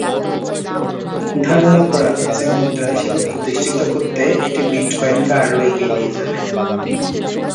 ধারণা করা হচ্ছে, মুদ্রা হিসেবে প্রতিষ্ঠিত করতে এটি বিটকয়েনকে আরও এগিয়ে নিয়ে যাবে।